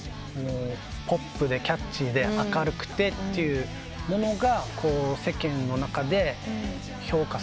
ポップでキャッチーで明るくてっていうものが世間の中で評価されて。